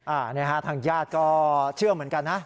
อันนี้ฮะทางญาติก็เชื่อเหมือนกันนะ